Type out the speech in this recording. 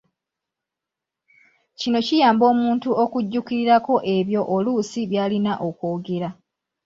Kino kiyamba omuntu okujjukirirako ebyo oluusi by'alina okwogera.